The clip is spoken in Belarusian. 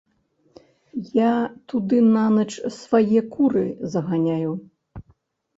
Я туды нанач свае куры заганяю.